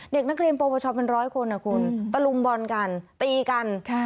เด็กนักเรียนโปรประชาวเป็นร้อยคนอ่ะคุณตะลุมบอลกันตีกันค่ะ